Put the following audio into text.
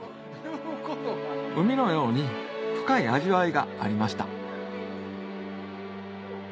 海のように深い味わいがありました